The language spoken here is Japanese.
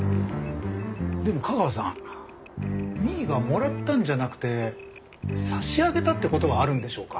でも架川さん美依がもらったんじゃなくて差し上げたって事はあるんでしょうか？